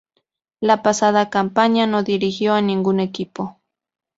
La pasada campaña no dirigió a ningún equipo.